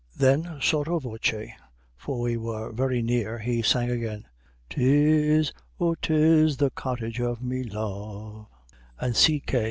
'" Then sotto voce, for we were very near, he sang again: "''Tis, O, 'tis the cottage of me love;' "and C. K.